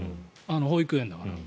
保育園だから。